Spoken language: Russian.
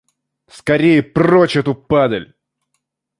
Скорее, прочь эту падаль!